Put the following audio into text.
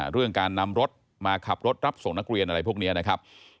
เรื่องการนำรถมาขับรถรับส่งนักเรียนอะไรพวกนี้นะครับ